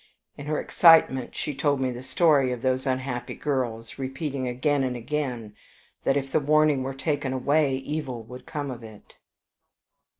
In her excitement she told me the story of those unhappy girls, repeating again and again that, if the warning were taken away, evil would come of it."